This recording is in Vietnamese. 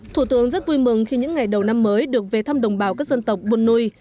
thủ tướng rất vui mừng khi những ngày đầu năm mới được về thăm đồng bào các dân tộc buôn nui